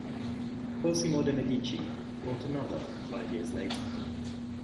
Cosimo de' Medici bought another five years later.